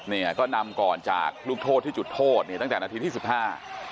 เนี่ยก็นำก่อนจากลูกโทษที่จุดโทษเนี่ยตั้งแต่นาทีที่สิบห้า